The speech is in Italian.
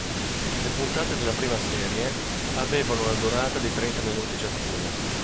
Le puntate della prima serie avevano una durata di trenta minuti ciascuna.